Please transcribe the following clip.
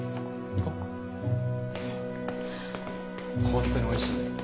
本当においしいんだよ。